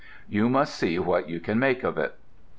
You must see what you can make of it.